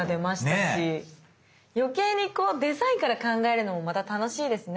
余計にこうデザインから考えるのもまた楽しいですね。